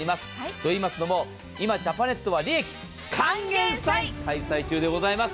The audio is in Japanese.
といいますのも今、ジャパネットは利益還元祭開催中でございます。